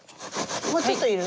もうちょっといる？